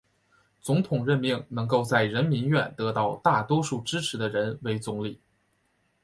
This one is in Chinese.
总统任命能够在人民院得到大多数支持的人为总理。